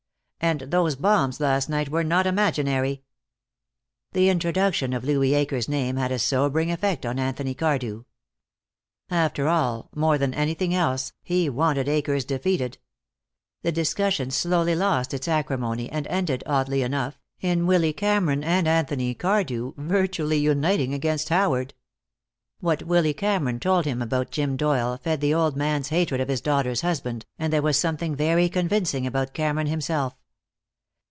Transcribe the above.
And those bombs last night were not imaginary." The introduction of Louis Akers' name had a sobering effect on Anthony Cardew. After all, more than anything else, he wanted Akers defeated. The discussion slowly lost its acrimony, and ended, oddly enough, in Willy Cameron and Anthony Cardew virtually uniting against Howard. What Willy Cameron told about Jim Doyle fed the old man's hatred of his daughter's husband, and there was something very convincing about Cameron himself.